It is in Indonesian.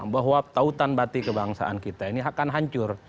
bahwa tautan batik kebangsaan kita ini akan hancur